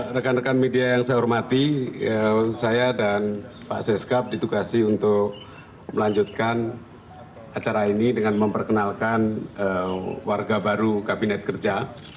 rekan rekan media yang saya hormati saya dan pak seskap ditugasi untuk melanjutkan acara ini dengan memperkenalkan warga baru kabinet kerja